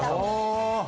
ああ！